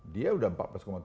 dia sudah empat belas tujuh